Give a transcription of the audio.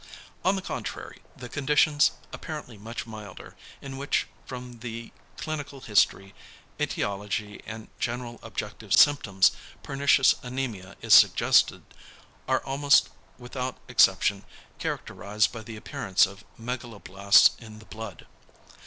On the contrary, the conditions, apparently much milder, in which from the clinical history, ætiology and general objective symptoms pernicious anæmia is suggested, are almost without exception characterised by the appearance of megaloblasts in the blood.